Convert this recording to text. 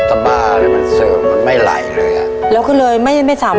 ทับผลไม้เยอะเห็นยายบ่นบอกว่าเป็นยังไงครับ